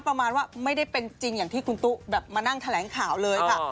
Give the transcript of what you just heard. ประมาณว่าไม่ได้เป็นจริงอย่างที่คุณตุ๊แบบมานั่งแถลงข่าวเลยค่ะ